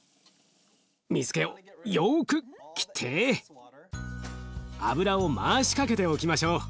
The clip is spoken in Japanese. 水けをよく切って油を回しかけておきましょう。